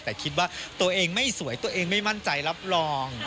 แต่คิดว่าตัวเองไม่สวยตัวเองไม่มั่นใจรับรอง